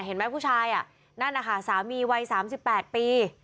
เห็นไหมผู้ชายอะนั่นนะคะสามีวัยสามสิบแปดปี